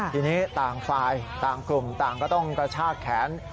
ทีนี้ต่างฝ่ายต่างกลุ่มต่างก็ต้องกระชากแขน